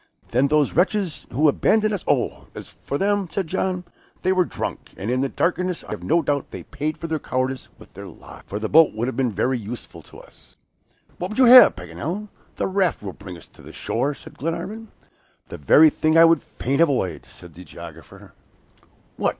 "Then those wretches who abandoned us " "Oh, as for them," said John, "they were drunk, and in the darkness I have no doubt they paid for their cowardice with their lives." "So much the worse for them and for us," replied Paganel; "for the boat would have been very useful to us." "What would you have, Paganel? The raft will bring us to the shore," said Glenarvan. "The very thing I would fain avoid," exclaimed the geographer. "What!